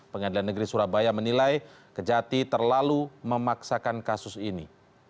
pengadilan negeri surabaya menilai kejati terlalu memaksakan kasus ini